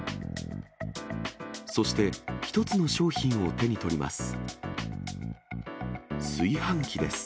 そして、一つの商品を手に取ります。